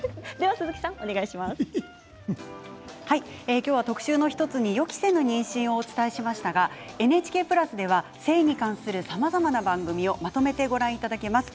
今日は特集の１つに予期せぬ妊娠をお伝えしましたがＮＨＫプラスでは性に関するさまざまな番組をまとめてご覧いただきます。